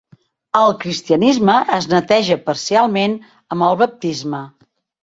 Al Cristianisme es neteja parcialment amb el baptisme.